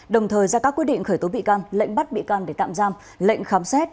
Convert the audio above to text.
đồng thời ra các quyết định khởi tố bị can lệnh bắt bị can để tạm giam lệnh khám xét